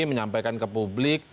menyampaikan ke publik